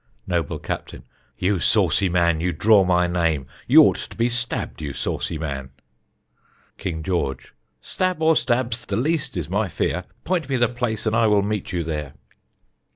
Noble Captain: You saucy man, you draw my name, You ought to be stabb'd, you saucy man. King George: Stab or stabs, the least is my fear; Point me the place And I will meet you there.